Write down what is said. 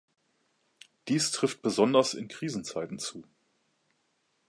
Dies trifft besonders in Krisenzeiten zu.